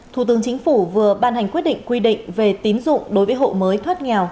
thủ tướng chính phủ vừa ban hành quyết định quy định về tín dụng đối với hộ mới thoát nghèo